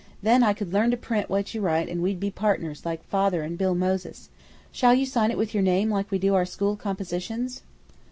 Then I could learn to print what you write and we'd be partners like father and Bill Moses. Shall you sign it with your name like we do our school compositions?"